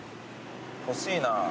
欲しいな。